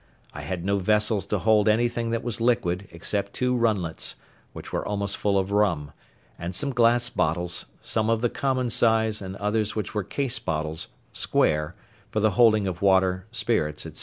I had no vessels to hold anything that was liquid, except two runlets, which were almost full of rum, and some glass bottles—some of the common size, and others which were case bottles, square, for the holding of water, spirits, &c.